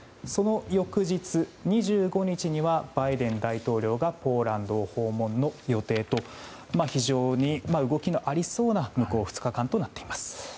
その翌日２５日にはバイデン大統領がポーランドを訪問の予定と非常に動きのありそうな向こう２日間となっています。